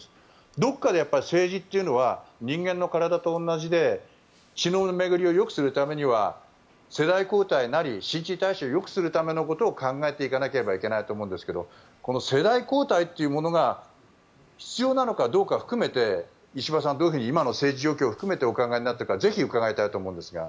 どこかで政治というのは人間の体と同じで血の巡りをよくするためには世代交代なり新陳代謝をよくするためのことを考えていかないといけないと思うんですがこの世代交代というものが必要なのかどうか含めて石破さん、今の政治状況を含めてどうお考えになっているかぜひ伺いたいと思うんですが。